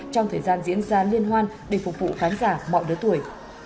trong thời gian diễn ra liên hoan để phục vụ khán giả mọi lứa tuổi